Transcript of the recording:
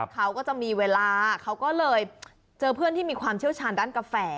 เขาก็จะมีเวลาเขาก็เลยเจอเพื่อนที่มีความเชี่ยวชาญด้านกาแฟ